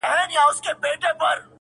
سل هنره ور بخښلي پاك سبحان دي .!